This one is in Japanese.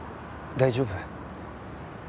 大丈夫？